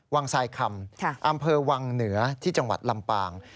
ทรายคำอำเภอวังเหนือที่จังหวัดลำปาง